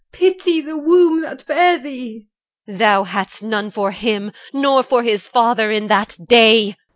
Pity the womb that bare thee. EL. Thou hadst none For him, nor for his father, in that day.